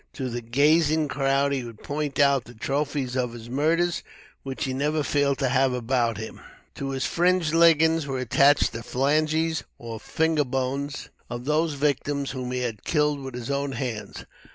To the gazing crowd, he would point out the trophies of his murders, which he never failed to have about him. To his fringed leggins were attached the phalanges (or finger bones) of those victims whom he had killed with his own hands.